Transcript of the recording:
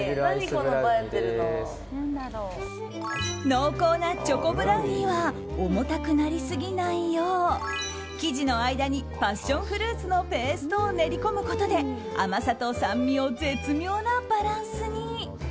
濃厚なチョコブラウニーは重たくなりすぎないよう生地の間にパッションフルーツのペーストを練り込むことで甘さと酸味を絶妙なバランスに。